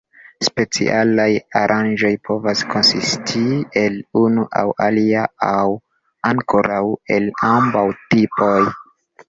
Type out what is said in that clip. Specialaj aranĝoj povas konsisti el unu aŭ alia aŭ ankoraŭ el ambaŭ tipoj.